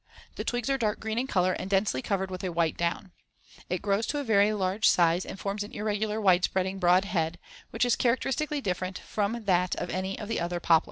The twigs are dark green in color and densely covered with a white down. It grows to very large size and forms an irregular, wide spreading, broad head, which is characteristically different from that of any of the other poplars.